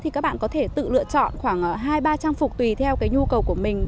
thì các bạn có thể tự lựa chọn khoảng hai ba trang phục tùy theo cái nhu cầu của mình